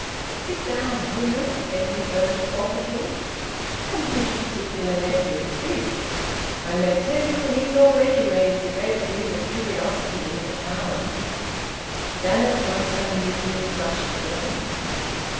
"Sit down, will you?" Edwin urged awkwardly. "And which particular nephew is this? I may tell you he's already raised a great deal of curiosity in the town." Janet most unusually blushed again.